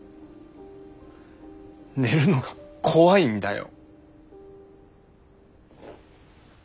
寝るのが怖いんだよ。